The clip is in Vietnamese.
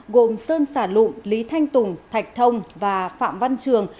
gồm sơn sả lụng lý thanh tùng thạch thông và phạm văn trường